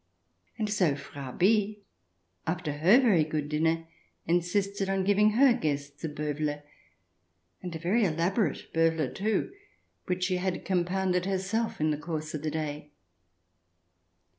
And so Frau B , after her very good dinner, insisted on giving her guests a Bowie, and a very elaborate Bowie, too, which she had compounded herself in the course of the day.